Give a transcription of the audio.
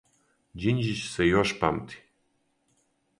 Ђинђић се још памти.